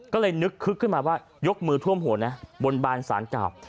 ก็เลยนึกคึกขึ้นมาว่ายกมือท่วมหัวนะบนบานสารเก่า